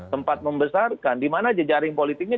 tempat membesarkan dimana aja jaring politiknya